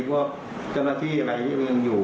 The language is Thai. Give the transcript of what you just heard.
พอเขาย้าย